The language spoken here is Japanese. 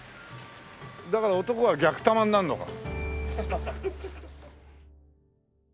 だから男は逆玉になるのか。